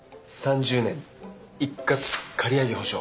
３０年一括借り上げ保証。